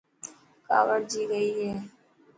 ڪاوڙجي گئي هي.